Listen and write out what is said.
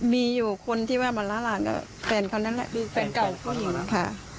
มีอยู่คนที่แว่นบรรละลากับแฟนเขานั่นแหละมีแฟนเก่าของนี่ค่ะ